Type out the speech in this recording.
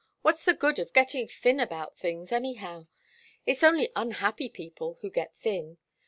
What's the good of getting thin about things, anyhow? It's only unhappy people who get thin.